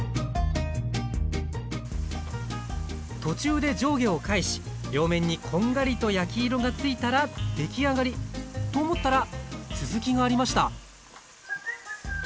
途中で上下を返し両面にこんがりと焼き色がついたら出来上がりと思ったら続きがありました！